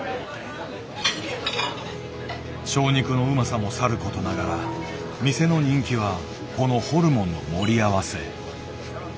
正肉のうまさもさることながら店の人気はこのホルモンの盛り合わせ。